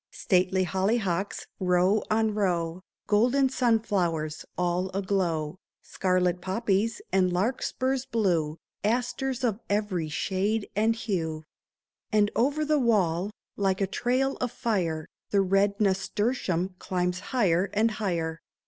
Stately hollyhocks, row on row. Golden sunflowers, all aglow, Scarlet poppies, and larkspurs blue. Asters of every shade and hue ; And over the wall, like a trail of fire. The red nasturtium climbs high and higher.